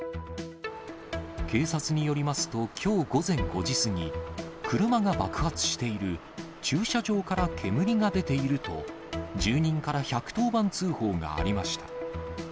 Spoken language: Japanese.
警察によりますと、きょう午前５時過ぎ、車が爆発している、駐車場から煙が出ていると、住人から１１０番通報がありました。